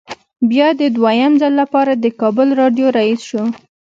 بیا د دویم ځل لپاره د کابل راډیو رییس شو.